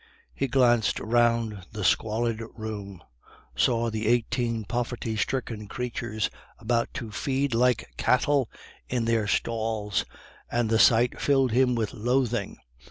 He glanced round the squalid room, saw the eighteen poverty stricken creatures about to feed like cattle in their stalls, and the sight filled him with loathing.